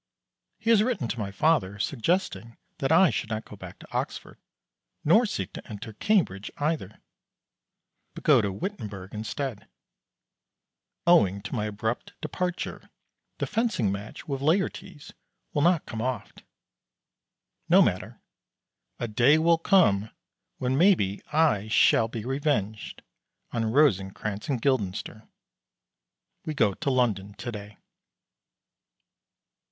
He has written to my father suggesting that I should not go back to Oxford, nor seek to enter Cambridge either, but go to Wittenberg instead. Owing to my abrupt departure the fencing match with Laertes will not come oft. No matter, a day will come, when maybe I shall be revenged on Rosencrantz and Guildenstern. We go to London to day.